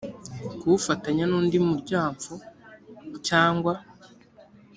kuwufatanya n undi muryanfo cyangwa